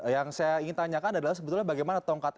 yang saya ingin tanyakan adalah sebetulnya bagaimana tongkat